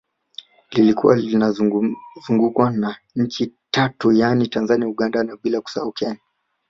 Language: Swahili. Likiwa linazungukwa na nchi Tatu yani Tanzania na Uganda bila kusahau Kenya